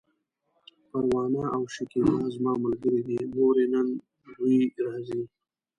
پروانه او شکيبه زما ملګرې دي، مورې! نن دوی راځي!